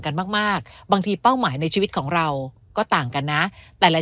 กันมากมากบางทีเป้าหมายในชีวิตของเราก็ต่างกันนะแต่ละ